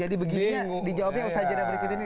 jadi begini dijawabin usaha jurnal berikut ini